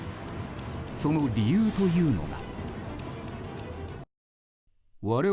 その理由というのが。